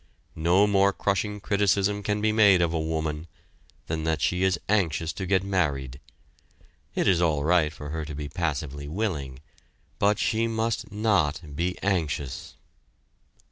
No more crushing criticism can be made of a woman, than that she is anxious to get married. It is all right for her to be passively willing, but she must not be anxious.